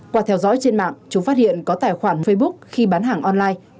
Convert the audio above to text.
qua theo dõi trên mạng chúng phát hiện có tài khoản facebook khi bán hàng online